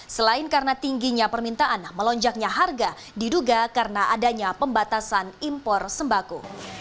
selain karena tingginya permintaan melonjaknya harga diduga karena adanya pembatasan impor sembako